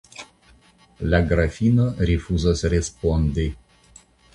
La Grafino rifuzas respondi.